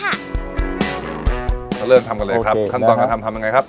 ก็เริ่มทำกันเลยครับขั้นตอนการทำทำยังไงครับ